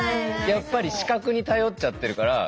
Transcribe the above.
やっぱり視覚に頼っちゃってるから。